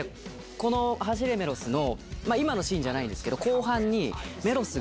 この『走れメロス』の今のシーンじゃないんですけど。